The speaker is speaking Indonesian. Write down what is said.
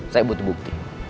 saya butuh bukti